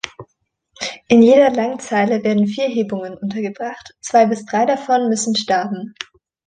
In jeder Langzeile werden vier Hebungen untergebracht, zwei bis drei davon müssen staben.